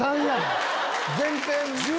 全然！